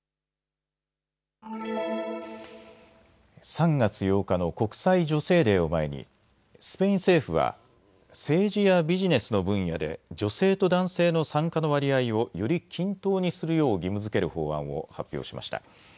３月８日の国際女性デーを前にスペイン政府は政治やビジネスの分野で女性と男性の参加の割合をより均等にするよう義務づける法案を発表しました。